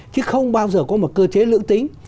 chứ không bao giờ có một cơ chế lưỡng tính